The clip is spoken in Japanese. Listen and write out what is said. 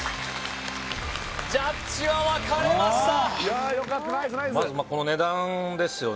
ジャッジは分かれました